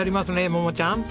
桃ちゃん。